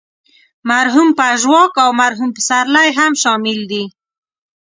مرحوم پژواک او مرحوم پسرلی هم شامل دي.